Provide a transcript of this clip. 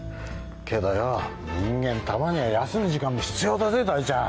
けどよ人間たまには休む時間も必要だぜ大ちゃん。